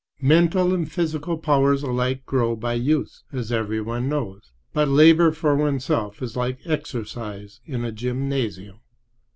Mental and physical powers alike grow by use, as every one knows; but labor for oneself is like exercise in a gymnasium.